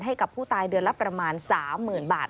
ให้กับผู้ตายเดือนละประมาณ๓๐๐๐บาท